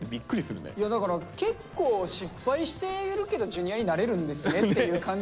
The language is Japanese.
だから結構失敗しているけどＪｒ．になれるんですねっていう感じっすね。